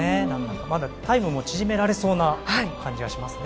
まだタイムも縮められそうな感じがしますね。